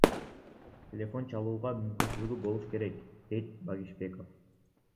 Телефон чалууга мүмкүнчүлүгү болуш керек, — дейт Багишбеков.